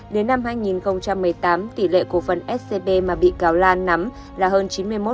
đến năm hai nghìn một mươi tám tỷ lệ cổ phần scb mà bị cáo lan nắm là hơn chín mươi một